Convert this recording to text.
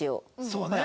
そうね！